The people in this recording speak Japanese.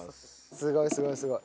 すごいすごいすごい。